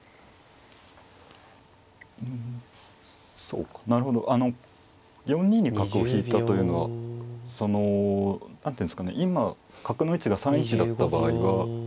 そうかなるほどあの４二に角を引いたというのはその何ていうんですかね今角の位置が３一だった場合は４一飛車